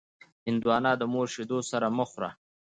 هندوانه د مور شیدو سره مه خوره.